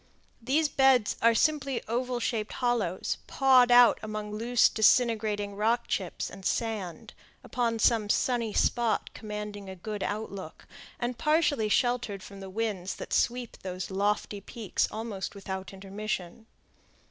These beds are simply oval shaped hollows, pawed out among loose, disintegrating rock chips and sand, upon some sunny spot commanding a good outlook, and partially sheltered from the winds that sweep those lofty peaks almost without intermission.